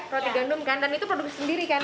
roti gandum kan dan itu produk sendiri kan ya